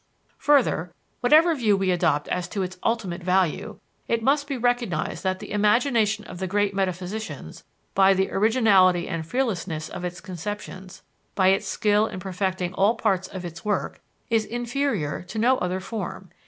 Further, whatever view we adopt as to its ultimate value, it must be recognized that the imagination of the great metaphysicians, by the originality and fearlessness of its conceptions, by its skill in perfecting all parts of its work, is inferior to no other form.